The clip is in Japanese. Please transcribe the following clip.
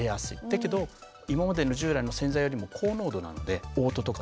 だけど今までの従来の洗剤よりも高濃度なのでおう吐とかですね